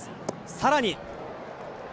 さらに。